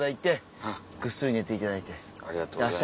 ありがとうございます。